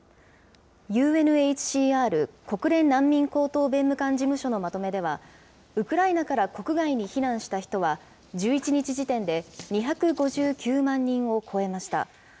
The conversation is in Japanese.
ＵＮＨＣＲ・国連難民高等弁務官事務所のまとめでは、ウクライナから国外に避難した人は、１１日時点で、２５９万人を超えました。